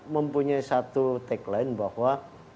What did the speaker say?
mempunyai satu tagline bahwa